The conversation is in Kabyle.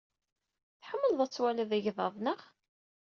Tḥemmleḍ ad twaliḍ igḍaḍ, naɣ?